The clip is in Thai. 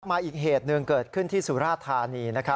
มาอีกเหตุหนึ่งเกิดขึ้นที่สุราธานี